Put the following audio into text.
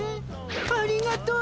ありがとう。